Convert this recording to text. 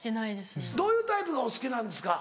どういうタイプがお好きなんですか？